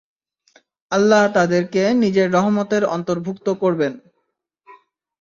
আল্লাহ তাদেরকে নিজের রহমতের অন্তর্ভুক্ত করবেন।